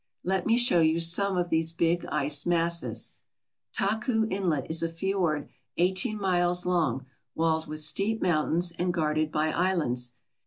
Let me show you some of these big ice masses. Taku Inlet is a fiord eighteen miles long walled with steep mountains and guarded by islands.